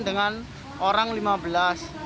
dengan orang lainnya